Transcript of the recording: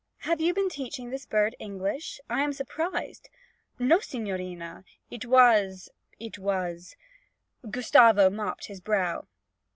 'Have you been teaching this bird English? I am surprised!' 'No, signorina. It was it was ' Gustavo mopped his brow.